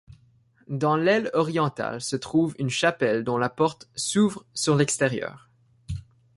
Dans l'aile orientale se trouve une chapelle dont la porte s'ouvre sur l'extérieur.